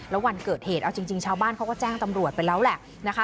แล้ววันเกิดเหตุเอาจริงชาวบ้านเขาก็แจ้งตำรวจไปแล้วแหละนะคะ